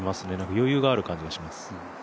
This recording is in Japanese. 余裕がある感じがします。